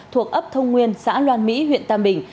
thuộc ấp thông nguyên xã loan mỹ huyện tam bình